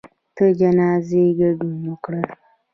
د جنازې ګډون وکړئ